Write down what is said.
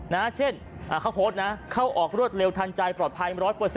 นะเช่นเขาโพสต์นะเข้าออกรวดเร็วทันใจปลอดภัย๑๐๐